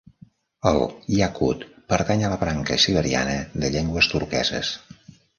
El iacut pertany a la branca siberiana de llengües turqueses.